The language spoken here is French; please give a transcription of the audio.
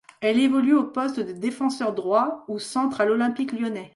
Elle évolue au poste de défenseur droit ou centre à l'Olympique lyonnais.